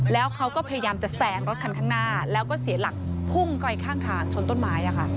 แล้วเขาก็พยายามจะแซงรถคันข้างหน้าแล้วก็เสียหลักพุ่งไปข้างทางชนต้นไม้